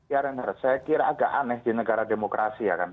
ya renar saya kira agak aneh di negara demokrasi ya kan